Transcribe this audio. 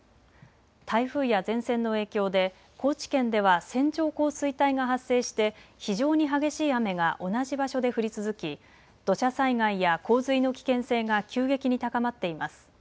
台風や前線の影響で高知県では線状降水帯が発生して非常に激しい雨が同じ場所で降り続き土砂災害や洪水の危険性が急激に高まっています。